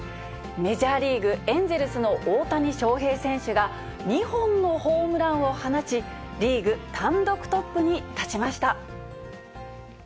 メジャーリーグ・エンゼルスの大谷翔平選手が、２本のホームランを放ち、リーグ単独トップに立ちました。